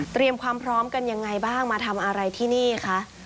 เตรียมความพร้อมกันอย่างไรบ้างมาทำอะไรที่นี่คะ